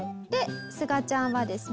すがちゃんはですね